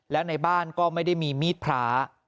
แล้วในบ้านก็ไม่ได้มีมีดพระ